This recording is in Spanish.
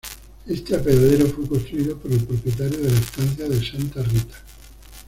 Este apeadero fue construido por el propietario de la estancia de Santa Rita.